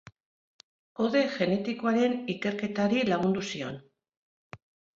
Kode genetikoaren ikerketari lagundu zion.